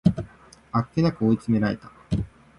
あっけなく追い詰められた